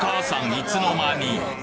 いつのまに！